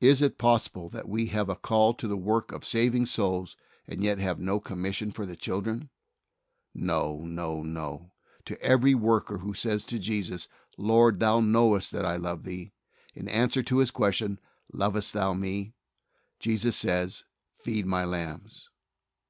Is it possible that we have a call to the work of saving souls and yet have no com mission for the children? No, no, no! To every worker who says to Jesus, "Lord, Thou knowest that I love Thee," in answer to His question, "Lowest thou Me?" Jesus says, soul winner's commission. 145 "Feed My lambs."